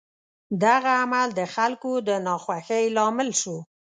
دغه عمل د خلکو د ناخوښۍ لامل شو.